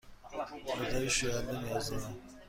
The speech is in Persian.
مقداری شوینده نیاز دارم.